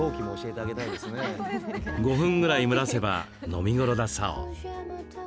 ５分ぐらい蒸らせば飲みごろだそう。